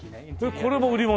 これも売り物？